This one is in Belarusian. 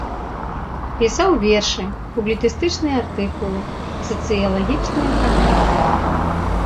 Пісаў вершы, публіцыстычныя артыкулы і сацыялагічныя трактаты.